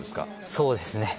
そうですね。